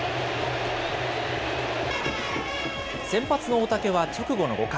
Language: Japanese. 先発の大竹は、直後の５回。